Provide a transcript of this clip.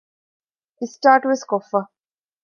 އިސްޓާޓުވެސް ކޮށްފަ